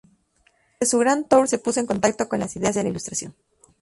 Durante su Grand Tour, se puso en contacto con las ideas de la Ilustración.